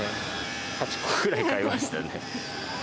８個ぐらい買いましたね。